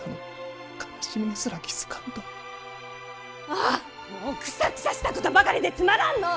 あーもうくさくさしたことばかりでつまらんのぅ。